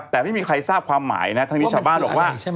แต่ไม่มีใครทราบความหมายนะทั้งนี้ชาวบ้านบอกว่า